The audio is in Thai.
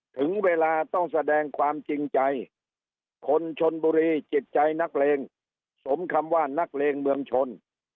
ถึงเวลาต้องแสดงความจริงใจคนชนบุรีจิตใจนักเลงสมคำว่านักเลงเมืองชน